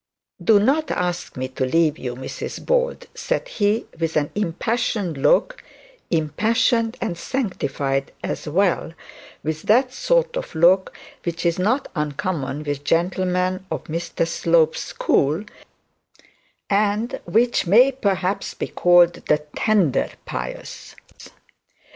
'Do not ask me to leave you, Mrs Bold,' said he with an impassioned look, impassioned and sanctified as well, with that sort of look which is not uncommon with gentlemen of Mr Slope's school, and which may perhaps be called the tender pious.